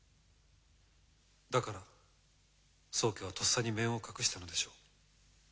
だから宗家はとっさに面を隠したのでしょう。